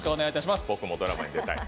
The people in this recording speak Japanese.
僕もドラマに出たい。